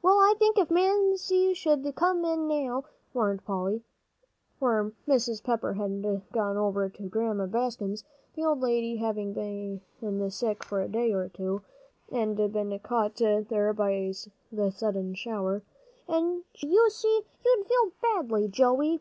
"Well, I think if Mamsie should come in now," warned Polly, for Mrs. Pepper had gone over to Grandma Bascom's the old lady having been sick for a day or two and been caught there by the sudden shower, "and should see you, you'd feel badly, Joey."